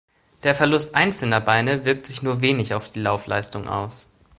Der Verlust einzelner Beine wirkt sich nur wenig auf die Laufleistung aus.